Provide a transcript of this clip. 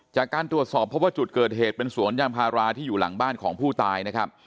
จากการตรวจสอบเพราะว่าจุดเกิดเหตุเป็นสวนยางพาราที่อยู่หลังบ้านของผู้ตายนะครับ